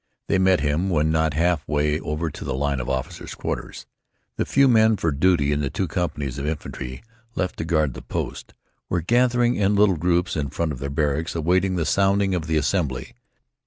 They met him when not half way over to the line of officers' quarters. The few men for duty in the two companies of infantry, left to guard the post, were gathering in little groups in front of their barracks, awaiting the sounding of the assembly.